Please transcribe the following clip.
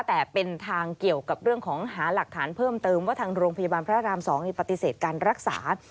แต่เป็นทางเกี่ยวกับเรื่องของหาหลักฐานเพิ่มเติมว่าทางโรงพยาบาลพระราม๒ปฏิเสธการรักษา